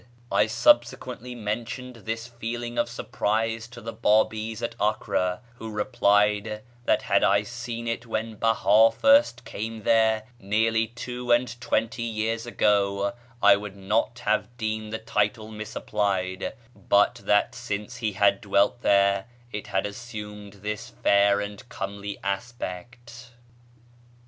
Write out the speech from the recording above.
I subsequently mentioned this feeling of surprise to the Bábís at Acre, who replied that had I seen it when Behá first came there nearly two and twenty years ago I should not have deemed the title misapplied, but that since he had dwelt there it had assumed this fair and comely aspect.